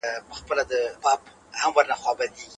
کمپيوټر موسيقي ډاونلوډ کوي.